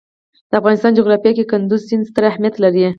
د افغانستان جغرافیه کې کندز سیند ستر اهمیت لري.